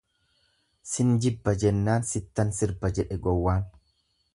"""Sin jibba"" jennaan ""sittan sirba"" jedhe gowwaan."